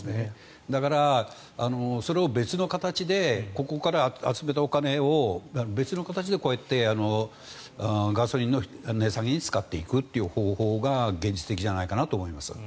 だから、それをここから集めたお金を別の形でこうやってガソリンの値下げに使っていくという方法が現実的じゃないかと思います。